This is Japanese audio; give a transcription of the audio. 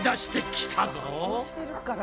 発酵してるから。